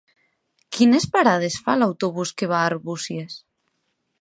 Quines parades fa l'autobús que va a Arbúcies?